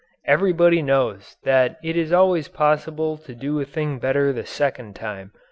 Everybody knows that it is always possible to do a thing better the second time.